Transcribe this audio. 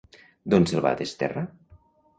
D'on se'l va desterrar?